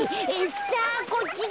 さあこっちだ！